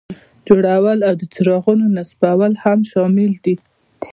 جوړول او د څراغونو نصبول هم شامل دي.